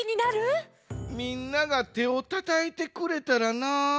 みんながてをたたいてくれたらなあ。